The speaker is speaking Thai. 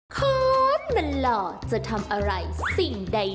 คนมันหล่อจะทำอะไรสิ่งใด